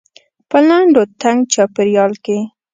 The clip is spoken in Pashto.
په لنډ و تنګ چاپيریال کې.